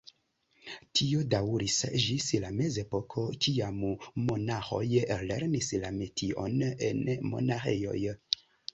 Tio daŭris ĝis la Mezepoko, kiam monaĥoj lernis la metion en monaĥejoj.